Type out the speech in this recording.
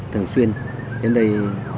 thường xuyên đến đây